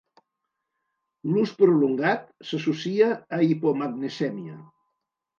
L'ús prolongat s'associa a hipomagnesèmia.